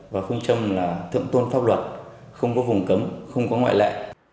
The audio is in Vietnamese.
và không châm là thượng tôn pháp luật không có vùng cấm không có ngoại lệ